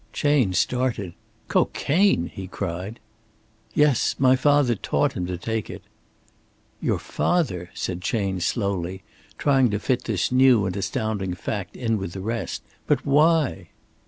Chayne started. "Cocaine!" he cried. "Yes. My father taught him to take it." "Your father," said Chayne, slowly, trying to fit this new and astounding fact in with the rest. "But why?"